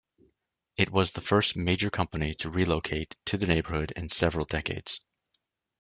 It was the first major company to relocate to the neighborhood in several decades.